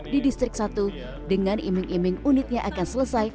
di distrik satu dengan iming iming unitnya akan selesai